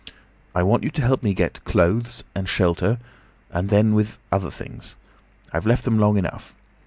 "I want you to help me get clothes—and shelter—and then, with other things. I've left them long enough.